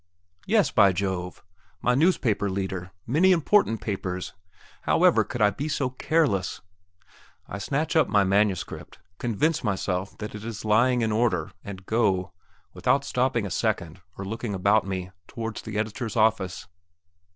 "Yes, by Jove! my newspaper leader; many important papers! However could I be so careless?" I snatch up my manuscript, convince myself that it is lying in order and go, without stopping a second or looking about me, towards the editor's office.